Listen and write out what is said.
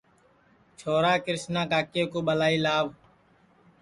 چھورا کرشنا کاکے کُو ٻلائی لاو